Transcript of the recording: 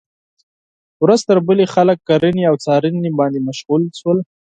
ورځ تر بلې خلک کرنې او څارنې باندې مشغول شول.